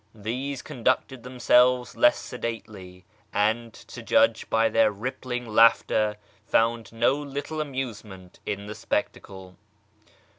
These conducted themselves less sedately, and, to judge by their rippling laughter, found no little amuse ment in the spectacle.